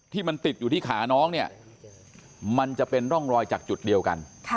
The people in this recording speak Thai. ที่มันติดอยู่ที่ขาน้องเนี่ยมันจะเป็นร่องรอยจากจุดเดียวกัน